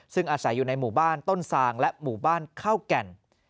ซึ่งอาศัยอยู่ในหมู่บ้านต้นซางและหมู่บ้านข้าวแก่น